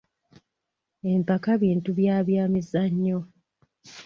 Empaka bintu bya byamizannyo.